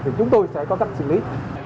thì chúng tôi sẽ có cách xử lý